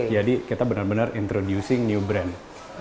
jadi kita bener bener introducing new brand